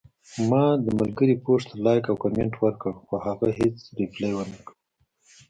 ما د ملګري پوسټ ته لایک او کمنټ ورکړل، خو هغه هیڅ ریپلی ونکړه